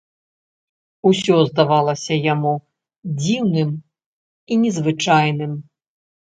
Усё здавалася яму дзіўным і незвычайным.